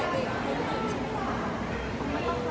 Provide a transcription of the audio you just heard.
อเรนนี่ว่าที่เต็มประกาศเหมือนกันนะครับ